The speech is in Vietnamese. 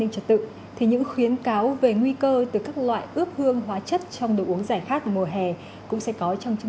cảm ơn các bạn đã theo dõi